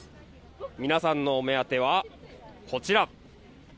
皆さんのお目当ては、こちら。